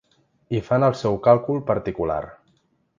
I fan el seu càlcul particular.